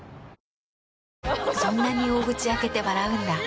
そんなに大口開けて笑うんだ。